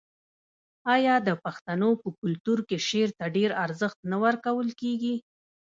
آیا د پښتنو په کلتور کې شعر ته ډیر ارزښت نه ورکول کیږي؟